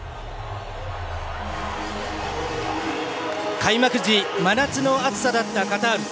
開幕時真夏の暑さだったカタール。